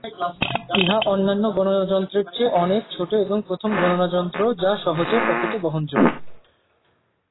ইহা অন্যান্য গণনা যন্ত্রের চেয়ে অনেক ছোট এবং প্রথম গণনা যন্ত্র যা সহজে পকেটে বহনযো।